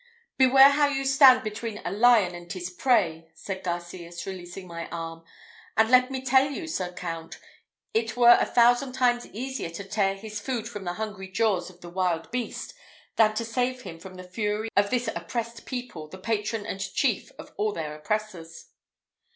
"Beware how you stand between a lion and his prey," said Garcias, releasing my arm; "and let me tell you, Sir Count, it were a thousand times easier to tear his food from the hungry jaws of the wild beast, than to save from the fury of this oppressed people the patron and chief of all their oppressors."